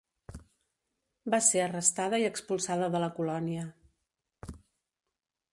Va ser arrestada i expulsada de la colònia.